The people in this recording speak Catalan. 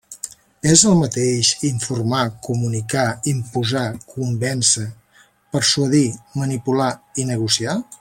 És el mateix informar, comunicar, imposar, convèncer, persuadir, manipular i negociar?